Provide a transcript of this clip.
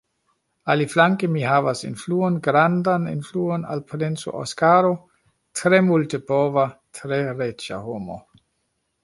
Aliflanke mi havas influon, grandan influon al princo Oskaro, tre multepova, tre riĉa homo.